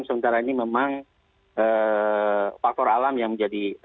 sementara ini memang faktor alam yang menjadi salah satu